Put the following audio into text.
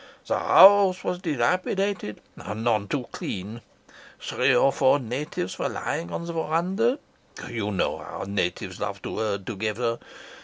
The house was dilapidated and none too clean. Three or four natives were lying on the verandah. You know how natives love to herd together.